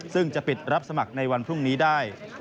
ซึ่งจะปิดรับสมัครในวันพรุ่งนี้ได้